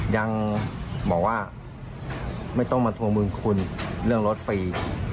ยังบอกว่าไม่ต้องมาทวงบุญคุณเรื่องรถฟรี